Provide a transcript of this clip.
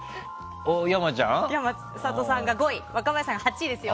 山里さんが５位で若林さんが８位ですよ。